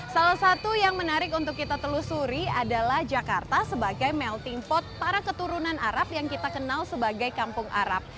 salah satu yang menarik untuk kita telusuri adalah jakarta sebagai melting pot para keturunan arab yang kita kenal sebagai kampung arab